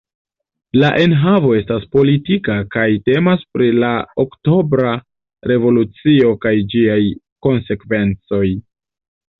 La enhavo estas politika kaj temas pri la Oktobra Revolucio kaj ĝiaj konsekvencoj.